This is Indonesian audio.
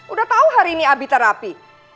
udah tau hari ini abit terapi